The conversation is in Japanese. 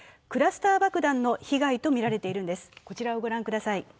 クラスター爆弾の被害とみられているんです、こちらを御覧ください。